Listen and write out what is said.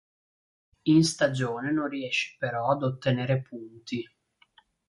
In stagione non riesce però ad ottenere punti.